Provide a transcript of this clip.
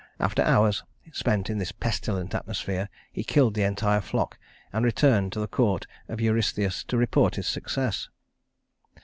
After hours spent in this pestilent atmosphere he killed the entire flock and returned to the court of Eurystheus to report his success.